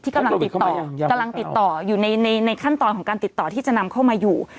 ที่กำลังติดต่ออยู่ในขั้นตอนการติดต่อที่จะนำเข้ามาอยู่